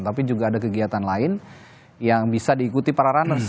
tapi juga ada kegiatan lain yang bisa diikuti para runners